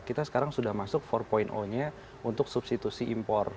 kita sekarang sudah masuk empat nya untuk substitusi impor